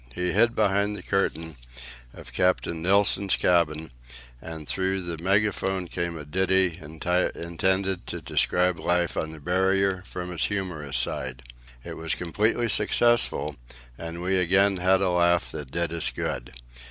He hid behind the curtain of Captain Nilsen's cabin, and through the megaphone came a ditty intended to describe life on the Barrier from its humorous side. It was completely successful, and we again had a laugh that did us good.